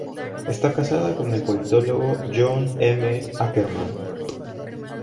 Está casada con el politólogo John M. Ackerman.